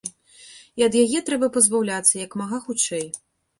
Ад яе трэба пазбаўляцца і як мага хутчэй.